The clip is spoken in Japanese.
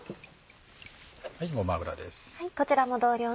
ごま油です。